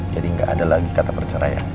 jadi nggak ada lagi kata perceraian